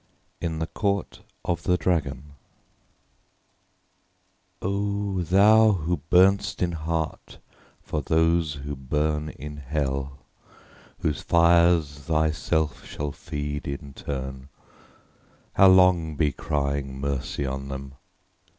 IN THE COURT OF THE DRAGON "Oh, thou who burn'st in heart for those who burn In Hell, whose fires thyself shall feed in turn; How long be crying 'Mercy on them.'